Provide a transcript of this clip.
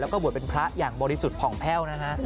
แล้วก็บวชเป็นพระอย่างบริสุทธิ์ผ่องแพ่วนะฮะ